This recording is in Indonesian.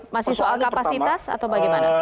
masih soal kapasitas atau bagaimana